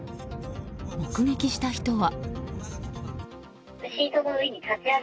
目撃した人は。